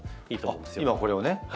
今これをね。